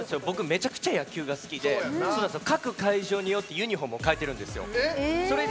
僕めちゃくちゃ野球好きで各会場によってユニフォーム変えてるんですよ。